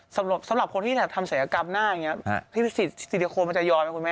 สำหรับคนที่ทำศัยกรรมหน้าอย่างนี้ซิลิโคนมันจะยอมไหมคุณแม่